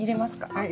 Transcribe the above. はい。